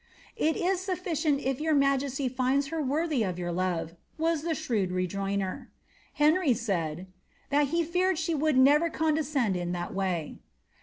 ''^ It is sufficient if your majesty finds her worthy of your love," was the shrewd re joinder. Henry said ^ that he feared she would never condescend in that way."